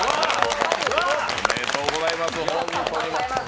おめでとうございます。